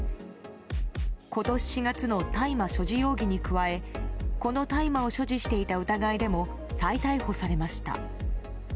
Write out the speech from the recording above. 今年４月の大麻所持容疑に加えこの大麻を所持していた疑いでも再逮捕されました。